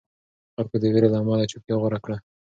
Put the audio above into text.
خلکو د وېرې له امله چوپتیا غوره کړه.